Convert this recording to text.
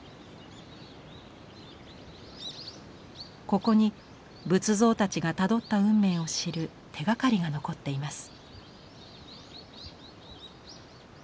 ここに仏像たちがたどった運命を知る手がかりが残っています。